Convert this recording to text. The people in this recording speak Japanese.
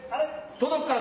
届くから！